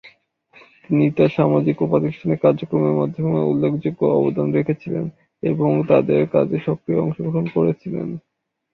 তিনি তার সামাজিক এবং প্রাতিষ্ঠানিক কার্যক্রমের মাধ্যমে উল্লেখযোগ্য অবদান রেখেছিলেন এবং তাদের কাজে সক্রিয় অংশগ্রহণ করেছিলেন।